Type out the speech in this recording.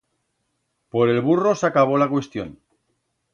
Por el burro s'acabó la cuestión.